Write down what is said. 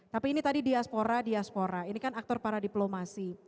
tapi ini tadi diaspora diaspora ini kan aktor para diplomasi